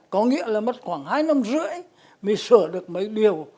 có nghĩa là mất khoảng hai năm rưỡi mới sửa được mấy điều